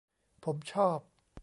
ผมชอบ